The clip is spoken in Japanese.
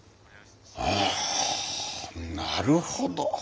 ああなるほど！